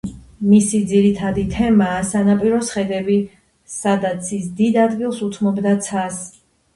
მისი ძირითადი თემაა სანაპიროს ხედები, სადაც ის დიდ ადგილს უთმობდა ცას.